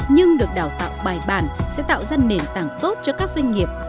nhưng được đào tạo bài bản sẽ tạo ra nền tảng tốt cho các doanh nghiệp